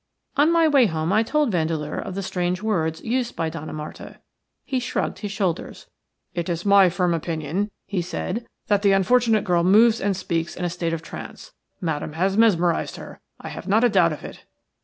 On my way home I told Vandeleur of the strange words used by Donna Marta, He shrugged his shoulders. "It is my firm opinion," he said, "that the unfortunate girl moves and speaks in a state of trance. Madame has mesmerized her. I have not a doubt of it."